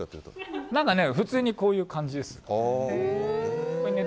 何かね、普通にこういう感じです。